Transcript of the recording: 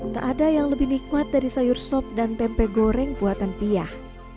tak ada yang lebih nikmat dari sayur sop dan tempe goreng buatan piah